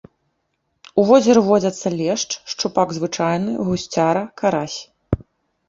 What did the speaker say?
У возеры водзяцца лешч, шчупак звычайны, гусцяра, карась.